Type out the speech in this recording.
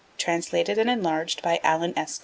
Translated and enlarged by Alan S.